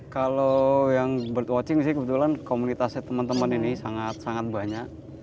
kalau yang bird watching sih kebetulan komunitasnya teman teman ini sangat sangat banyak